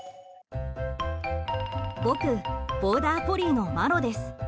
僕、ボーダーコリーのマロです。